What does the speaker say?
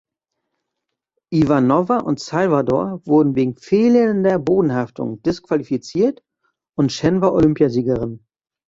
Iwanowa und Salvador wurden wegen fehlender Bodenhaftung disqualifiziert, und Chen war Olympiasiegerin.